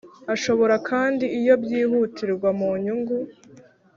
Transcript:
Ashobora kandi iyo byihutirwa mu nyungu